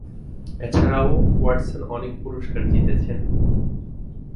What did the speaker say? এছাড়া ওয়াটসন অনেক পুরস্কার জিতেছেন।